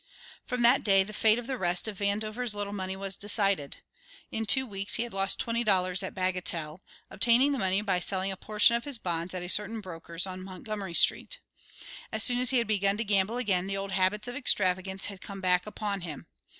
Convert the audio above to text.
From that day the fate of the rest of Vandover's little money was decided. In two weeks he had lost twenty dollars at bagatelle, obtaining the money by selling a portion of his bonds at a certain broker's on Montgomery Street. As soon as he had begun to gamble again the old habits of extravagance had come back upon him.